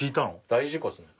大事故ですね。